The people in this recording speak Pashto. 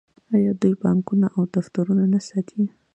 آیا دوی بانکونه او دفترونه نه ساتي؟